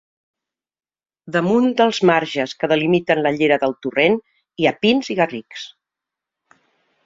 Damunt dels marges que delimiten la llera del torrent hi ha pins i garrics.